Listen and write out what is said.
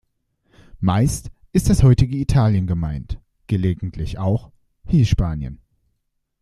Meist ist das heutige Italien gemeint, gelegentlich auch Hispanien.